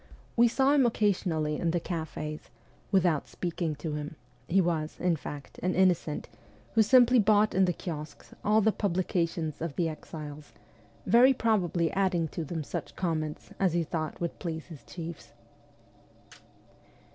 We saw him occasionally in the cafes, without speaking to him ; he was, in fact, an ' innocent ' who simply bought in the kiosques all the publications of the exiles, very probably adding to them such comments as he thought would please his chiefs.